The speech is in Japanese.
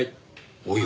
おや。